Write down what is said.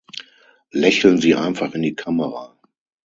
Lächeln Sie einfach in die Kamera.